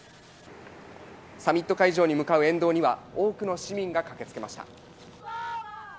サミット会場に向かう沿道には、多くの市民が駆けつけました。